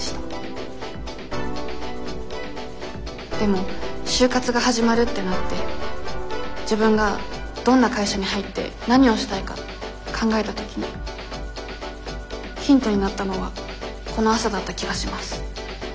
でも就活が始まるってなって自分がどんな会社に入って何をしたいか考えた時にヒントになったのはこの朝だった気がします。